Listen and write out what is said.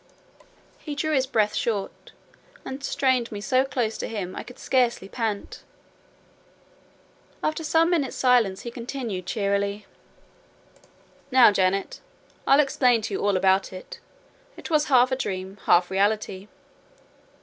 He drew his breath short, and strained me so close to him, I could scarcely pant. After some minutes' silence, he continued, cheerily— "Now, Janet, I'll explain to you all about it. It was half dream, half reality.